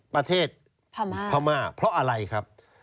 ประเทศพม่าเพราะอะไรครับ